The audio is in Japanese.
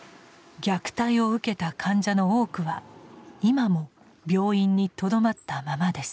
虐待を受けた患者の多くは今も病院にとどまったままです。